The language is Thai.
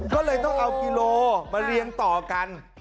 ก็เลยต้องเอากิโลมาเรียงต่อกัน